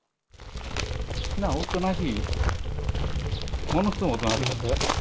おとなしい、ものすごくおとなしかったよ。